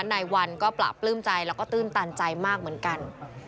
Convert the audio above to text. นายวันก็ปราบปลื้มใจแล้วก็ตื้นตันใจมากเหมือนกัน